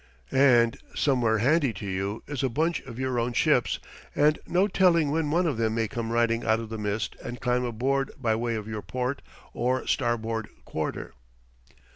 And somewhere handy to you is a bunch of your own ships, and no telling when one of them may come riding out of the mist and climb aboard by way of your port or starboard quarter!